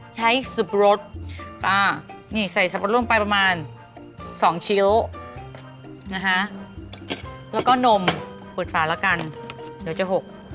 ใช้สบรสค่ะนี่ใส่สบรสร่วมไปประมาณ๒ชิลลิเมตรแล้วก็นมเปิดฝาแล้วกันเดี๋ยวจะหก